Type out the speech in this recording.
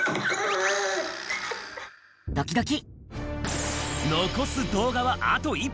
ドキドキ。